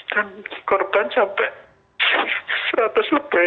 dan korban sampai seratus rupiah